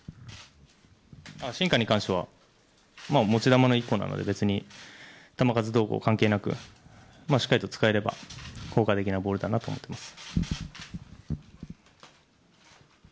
シンカーに関しては持ち球の１個なので別に球数どうこう関係なくしっかりと使えれば効果的なボールだなと思っています。